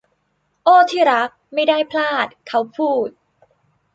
โอ้ที่รักไม่ได้พลาดเขาพูด